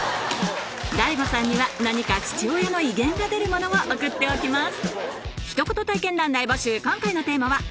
ＤＡＩＧＯさんには何か父親の威厳が出るものを送っておきます